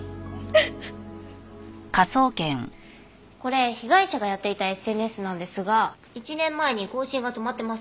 これ被害者がやっていたＳＮＳなんですが１年前に更新が止まってます。